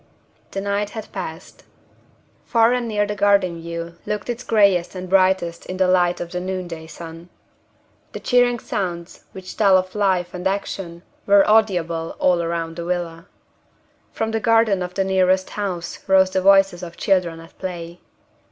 The night had passed. Far and near the garden view looked its gayest and brightest in the light of the noonday sun. The cheering sounds which tell of life and action were audible all round the villa. From the garden of the nearest house rose the voices of children at play.